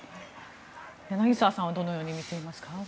柳澤さんはどのようにみていますか？